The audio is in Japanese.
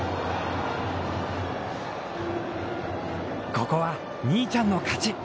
ここは兄ちゃんの勝ち。